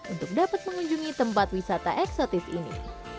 untuk dapat mengunjungi tempat wisata eksotis ini